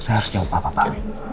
saya harus jawab papa pak